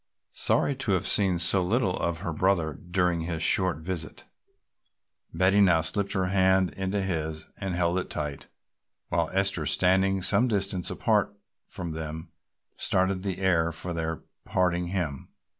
Sorry to have seen so little of her brother during his short visit, Betty now slipped her hand into his and held it tight while Esther, standing some distance apart from them, started the air for their parting hymn.